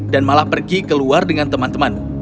dan malah pergi keluar dengan teman teman